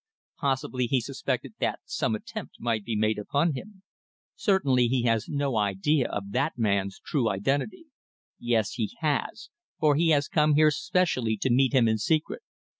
"Possibly he suspected that some attempt might be made upon him. Certainly he has no idea of that man's true identity." "Yes, he has, for he has come here specially to meet him in secret.